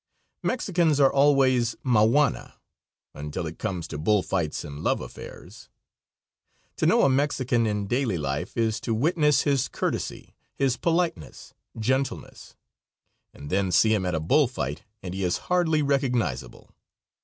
Mexicans are always mauana until it comes to bull fights and love affairs. To know a Mexican in daily life is to witness his courtesy, his politeness, gentleness; and then see him at a bull fight, and he is hardly recognizable.